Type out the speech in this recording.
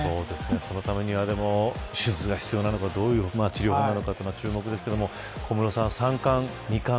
そのためには手術が必要なのか、どういう治療なのか注目ですけど。